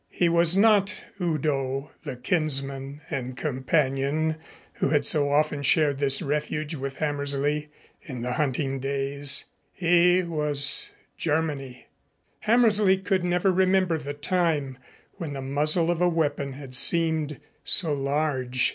He was not Udo, the kinsman and companion who had so often shared this refuge with Hammersley in the hunting days. He was Germany. Hammersley could never remember the time when the muzzle of a weapon had seemed so large.